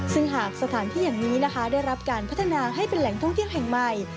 ซึ่งหากสถานที่อย่างนี้นะคะได้รับการพัฒนาให้เป็นแหล่งท่องเที่ยวแห่งใหม่